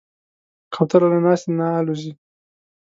کوتره له ناستې نه الوزي.